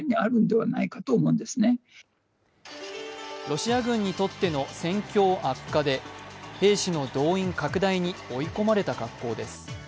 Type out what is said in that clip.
ロシア軍にとっての戦況悪化で兵士の動員拡大に追い込まれた格好です。